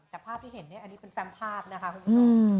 แต่ภาพที่เห็นเนี่ยอันนี้เป็นแฟมภาพนะคะคุณผู้ชม